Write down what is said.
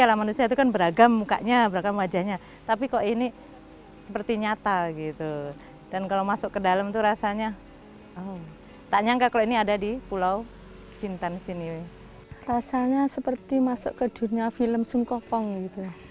rasanya seperti masuk ke dunia film sungkopong gitu